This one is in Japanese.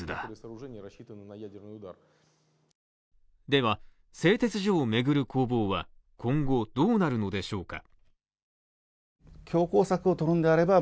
では、製鉄所を巡る攻防は今後どうなるのでしょうか？